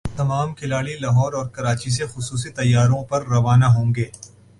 تمام کھلاڑی لاہور اور کراچی سے خصوصی طیاروں پر روانہ ہوں گے